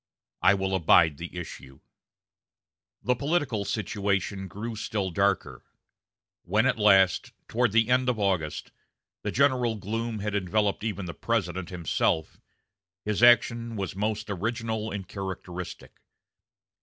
I will abide the issue." The political situation grew still darker. When at last, toward the end of August, the general gloom had enveloped even the President himself, his action was most original and characteristic.